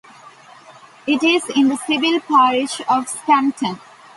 It is in the civil parish of Scampton.